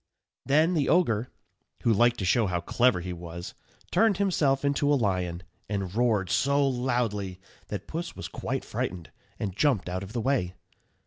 Then the ogre, who liked to show how clever he was, turned himself into a lion, and roared so loudly that Puss was quite frightened, and jumped out of the way.